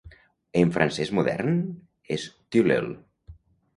En francès modern és "tilleul".